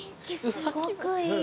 すごくいい。